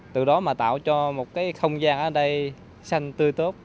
từ đó mà tạo cho một cái không gian ở đây xanh tươi tốt